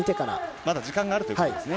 まだ時間があるということですね。